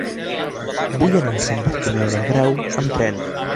Vull anar a Sant Bartomeu del Grau amb tren.